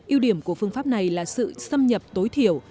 yêu điểm của phương pháp này là sự xâm nhập tối thiểu